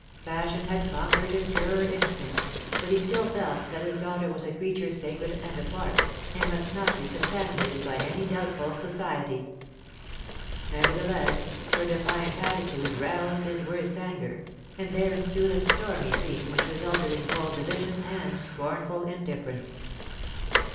Passion had conquered his purer instincts, but he still felt that his daughter was a creature sacred and apart, and must not be contaminated by any doubtful society. Nevertheless her defiant attitude roused his worst anger, and there ensued a stormy scene which resulted in cold division and scornful indifference.